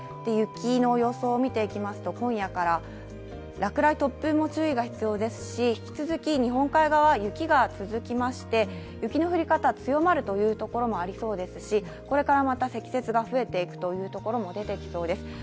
雪の予想を見ていきますと今夜から落雷、突風も注意が必要ですし引き続き日本海側、雪が続きまして雪の降り方、強まるというところもありそうですし、これからまた積雪が増えていくところも出てきそうです。